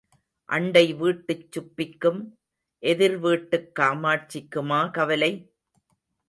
அண்டை வீட்டுச் சுப்பிக்கும் எதிர்வீட்டுக் காமாட்சிக்குமா கவலை?